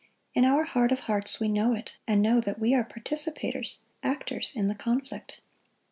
In our heart of hearts we know it, and know that we are participators, actors, in the conflict.